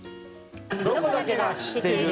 ロコだけが知っている。